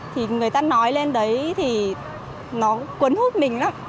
thì người ta nói lên đấy thì nó cuốn hút mình lắm